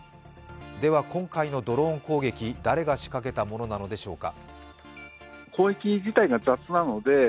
では、今回のドローン攻撃、誰が仕掛けたものなのでしょうか？